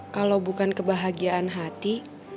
kalau bukan kebahagiaan hati